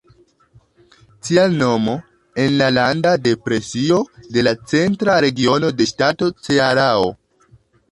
Tial nomo "Enlanda Depresio" de la centra regiono de ŝtato Cearao.